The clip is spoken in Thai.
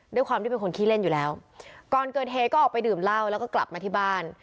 ด้วยความที่เป็นคนขี้เล่นอยู่แล้วก่อนเกิดเหตุก็ออกไปดื่มเหล้าแล้วก็กลับมาที่บ้าน